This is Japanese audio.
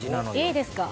いいですか？